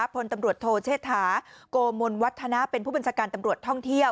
พลตำรวจโทเชษฐาโกมลวัฒนะเป็นผู้บัญชาการตำรวจท่องเที่ยว